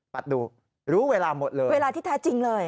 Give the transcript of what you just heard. ดูรู้เวลาหมดเลยเวลาที่แท้จริงเลย